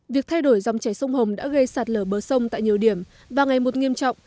việc thay đổi dòng chảy sông hồng đã gây sạt lở bờ sông tại nhiều điểm và ngày một nghiêm trọng